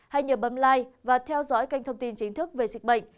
hãy nhớ bấm like và theo dõi kênh thông tin chính thức về dịch bệnh